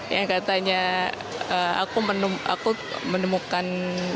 yang katanya aku menemukan